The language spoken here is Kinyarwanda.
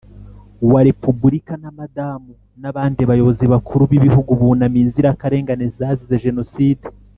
Wa repubulika na madamu n abandi bayobozi bakuru b ibihugu bunamiye inzirakarengane zazize jenocide